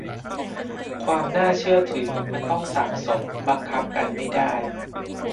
ความน่าเชื่อถือมันต้องสั่งสม บังคับกันไม่ได้